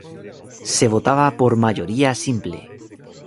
Se votaba por mayoría simple.